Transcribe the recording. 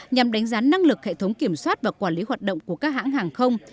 nhằm đánh giá năng lực hệ thống kiểm soát và quản lý hoạt động của các hãng hàng không